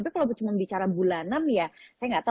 tapi kalau cuma bicara bulanan ya saya nggak tahu